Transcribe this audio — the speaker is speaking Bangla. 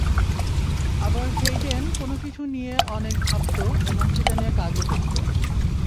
আবার হেইডেন কোনো কিছু নিয়ে অনেক ভাবত এবং সেটা নিয়ে কাজও করত।